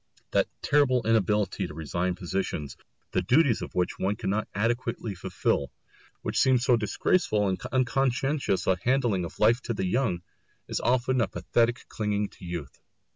That terrible inability to resign positions, the duties of which one cannot adequately fulfil, which seems so disgraceful and unconscientious a handling of life to the young, is often a pathetic clinging to youth.